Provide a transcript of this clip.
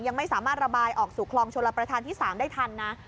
ยังไม่สามารถระบายออกสู่คลองชลประธานที่๓ได้ทันนะ